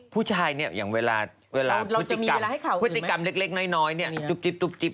ผู้ชายอย่างเวลาพฤติกรรมเล็กน้อยนี่จุ๊บจิ๊บ